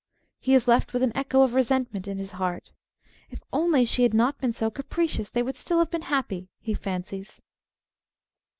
He is left with an echo of resentment in his heart. If only she had not been so capricious, they would still have been happy, he fancies.